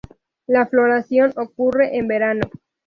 La floración ocurre en verano.